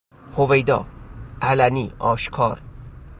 هویدا -علنی آشکار